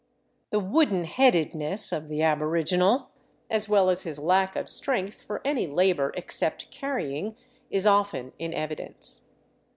The wooden headedness of the aboriginal, as well as his lack of strength for any labor except carrying, is often in evidence.